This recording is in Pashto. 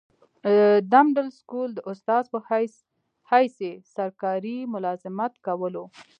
دمډل سکول د استاذ پۀ حيث ئي سرکاري ملازمت کولو